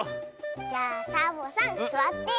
じゃあサボさんすわって。